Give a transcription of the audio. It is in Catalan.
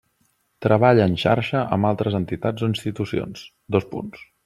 Treballa en xarxa amb altres entitats o institucions: dos punts.